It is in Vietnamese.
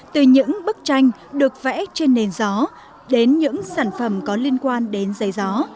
từ những bức tranh được vẽ trên nền gió đến những sản phẩm có liên quan đến giấy gió